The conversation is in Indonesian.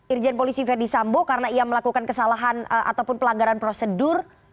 irjen polisi verdi sambo karena ia melakukan kesalahan ataupun pelanggaran prosedur